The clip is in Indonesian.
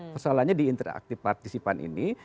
persoalannya di interaktif partisipan ini